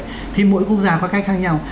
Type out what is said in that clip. thế thì mỗi quốc gia có cách khác nhau